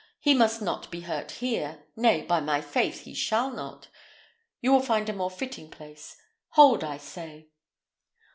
He must not be hurt here; nay, by my faith he shall not. We will find a more fitting place: hold, I say!"